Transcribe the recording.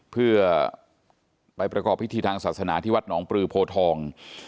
เพื่อไปประกอบพิธีทางศาสนาที่วัดหนองปลือโพทอง